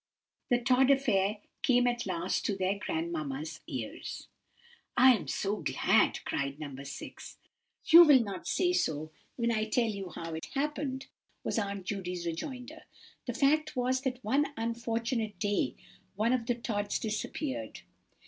The Tod affair came at last to their grandmamma's ears." "I am so glad," cried No. 6. "You will not say so when I tell you how it happened," was Aunt Judy's rejoinder. "The fact was, that one unfortunate day one of the Tods disappeared.